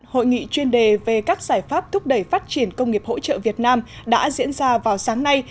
hội nghị chuyên đề về các giải pháp thúc đẩy phát triển công nghiệp hỗ trợ việt nam đã diễn ra vào sáng nay